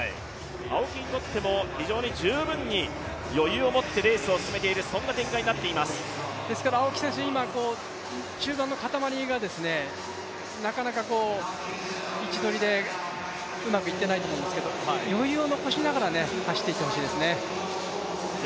青木にとっても非常に十分に余裕を持ってレースを進めてい青木選手、中盤の固まりが位置取りがうまくいっていないと思いますけど、余裕を残しながら走っていってほしいですね。